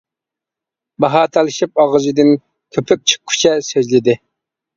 باھا تالىشىپ ئاغزىدىن كۆپۈك چىققۇچە سۆزلىدى.